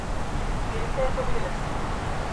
Birlikte yapabiliriz.